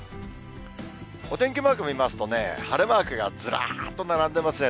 お天気マーク見ますとね、晴れマークがずらっと並んでますね。